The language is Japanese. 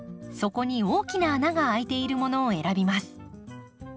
底に大きな穴が開いているものを選びます。